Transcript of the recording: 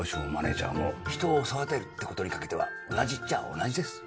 ジャーも人を育てるってことにかけては同じっちゃ同じです。